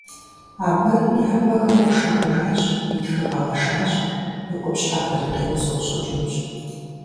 Абы и Ӏэпэхэр Ӏушэ хъужащ, и тхыр къэгъэшащ, и къупщхьэхэри къеузу къыщӀэкӀынущ.